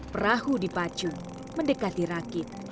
perahu di pacu mendekati rakit